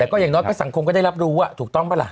แต่ก็อย่างน้อยก็สังคมก็ได้รับรู้ถูกต้องปะล่ะ